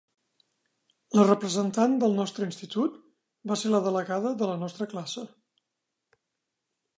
La representant del nostre institut va ser la delegada de la nostra classe.